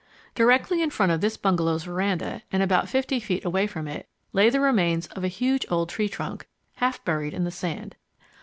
Directly in front of this bungalow's veranda, and about fifty feet away from it, lay the remains of a huge old tree trunk, half buried in the sand.